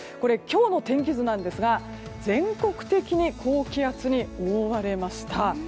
今日の天気図なんですが全国的に高気圧に覆われました。